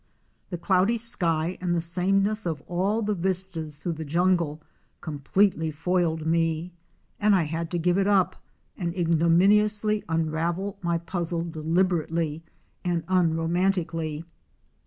The cloudy sky and the sameness of all the vistas through the jungle completely foiled me, and I had to give it up and ignominiously unravel my puzzle deliberately and unromantically.